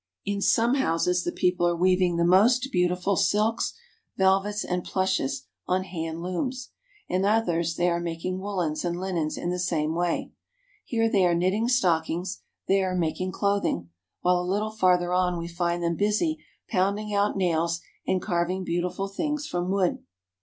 In some houses the people are weaving the most beauti ful silks, velvets, and plushes on hand looms. In others they are making woolens and linens in the same way. Here they are knitting stockings, there making clothing, while a little farther on we find them busy pounding out nails and carving beautiful things from wood.